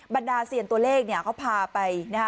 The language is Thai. บรรดาเสียรตัวเลขเขาพาไป